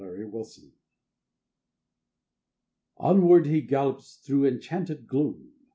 KNIGHT ERRANT Onward he gallops through enchanted gloom.